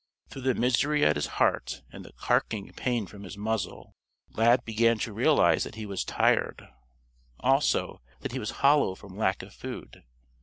Through the misery at his heart and the carking pain from his muzzle, Lad began to realize that he was tired, also that he was hollow from lack of food.